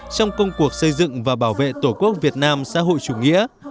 trong công cuộc xây dựng và bảo vệ tổ quốc việt nam xã hội chủ nghĩa